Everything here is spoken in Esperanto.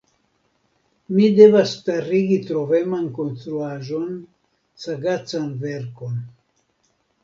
Mi devas starigi troveman konstruaĵon, sagacan verkon.